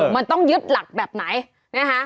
มันต้องยึดหลักแบบไหนนะคะ